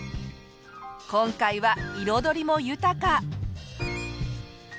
今回は彩りも豊か！